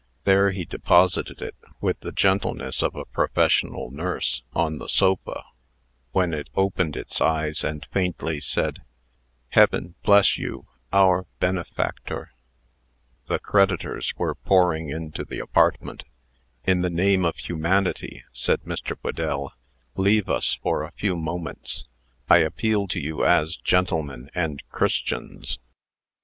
There he deposited it, with the gentleness of a professional nurse, on the sofa, when it opened its eyes, and faintly said, "Heaven bless you, our benefactor!" The creditors were pouring into the apartment. "In the name of humanity," said Mr. Whedell, "leave us for a few moments. I appeal to you as gentlemen and Christians."